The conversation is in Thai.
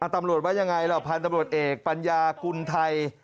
ตำรวจว่ายังไงล่ะพันธุ์ตำรวจเอกปัญญากุลไทย